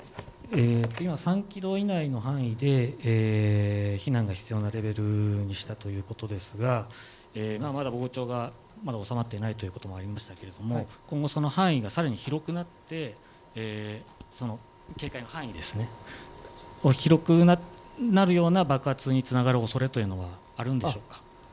３キロ以内の範囲で避難が必要とされるということでしたが、まだ膨張が収まっていないということもありましたが今後、その範囲がさらに広くなって、警戒の範囲、広くなるような爆発につながるおそれはあるんでしょうか。